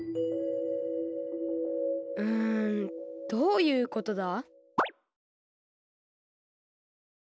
うんどういうことだ？